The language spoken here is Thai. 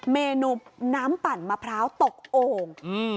เมนูน้ำปั่นมะพร้าวตกโอ่ง